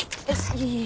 いえいえ。